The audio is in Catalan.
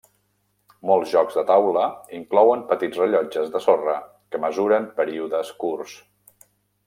Molts jocs de taula inclouen petits rellotges de sorra que mesuren períodes curts.